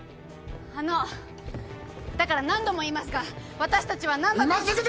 あのだから何度も言いますが私たちは難破君。